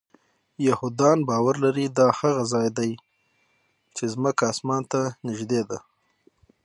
یهودان باور لري دا هغه ځای دی چې ځمکه آسمان ته نږدې ده.